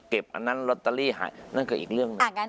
อันนั้นลอตเตอรี่หายนั่นก็อีกเรื่องหนึ่ง